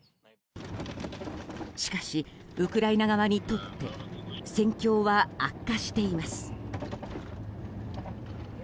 しかし、ウクライナ側にとって戦況は悪化しています。